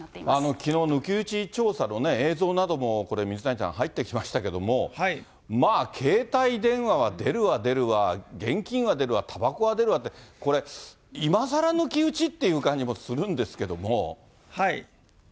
きのう、抜き打ち調査の映像などもこれ、水谷さん、入ってきましたけれども、まあ携帯電話は出るわ出るわ、現金は出るわ、たばこは出るわって、これ、今さら抜き打ちっていう感じもするんですけども。